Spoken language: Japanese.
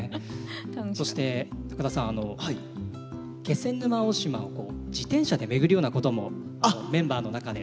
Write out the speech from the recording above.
そして田さん気仙沼大島を自転車で巡るようなこともメンバーの中で。